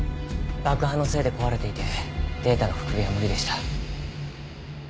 爆破のせいで壊れていてデータの復元は無理でした。